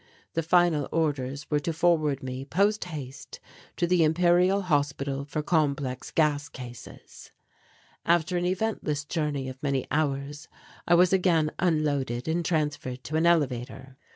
The final orders were to forward me post haste to the Imperial Hospital for Complex Gas Cases. After an eventless journey of many hours I was again unloaded and transferred to an elevator.